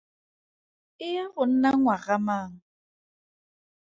E ya go nna ngwaga mang?